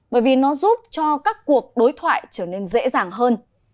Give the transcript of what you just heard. bởi vì nó giúp cho các cuộc đối thoại trở nên dễ dàng hơn